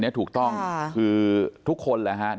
อันนี้ถูกต้องคือทุกคนแหละครับ